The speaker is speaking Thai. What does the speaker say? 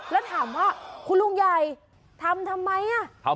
แล้วถามว่าคุณลุงใหญ่ทำทำไม